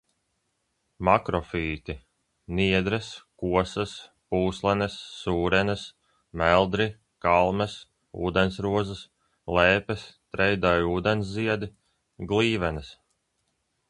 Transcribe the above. Makrofīti: niedres, kosas, pūslenes, sūrenes, meldri, kalmes, ūdensrozes, lēpes, trejdaivu ūdensziedi, glīvenes.